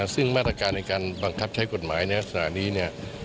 ซึ่งมาตรการในการบังคับใช้กฎหมายในลักษณะนี้เนี่ย